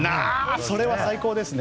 それは最高ですね。